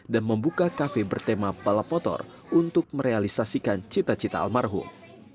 membuka kafe bertema balap motor untuk merealisasikan cita cita almarhum